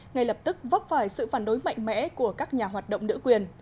ngay lập tức vấp phải sự phản đối mạnh mẽ của các nhà hoạt động nữ quyền